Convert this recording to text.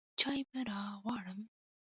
چاى به راغواړم.